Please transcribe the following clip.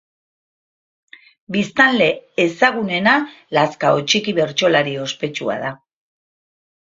Biztanle ezagunena Lazkao Txiki bertsolari ospetsua da.